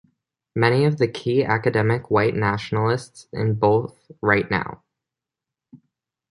Many of the key academic white nationalists in both Right Now!